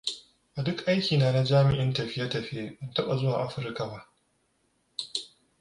A duk aiki na jami'in tafiye-tafiye, ban taɓa zuwa Afrika ba.